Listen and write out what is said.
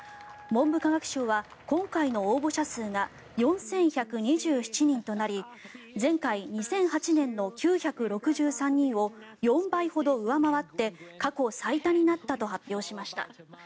文部科学省は、今回の応募者数が４１２７人となり前回２００８年の９６３人を４倍ほど上回って過去最多になったと発表しました。